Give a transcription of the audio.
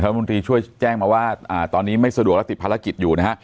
รัฐมนตรีช่วยแจ้งมาว่าตอนนี้ไม่สะดวกและติดภารกิจอยู่นะฮะ